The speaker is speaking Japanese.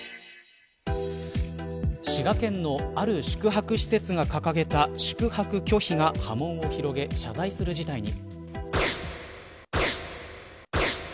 滋賀県のある宿泊施設が掲げた宿泊拒否が波紋を広げ謝罪する事態に。